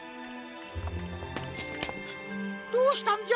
どうしたんじゃ？